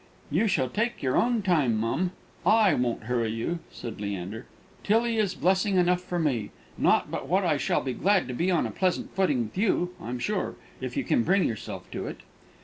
"You shall take your own time, mum; I won't hurry you," said Leander. "Tillie is blessing enough for me not but what I shall be glad to be on a pleasant footing with you, I'm sure, if you can bring yourself to it."